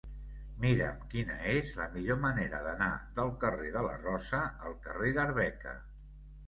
Mira'm quina és la millor manera d'anar del carrer de la Rosa al carrer d'Arbeca.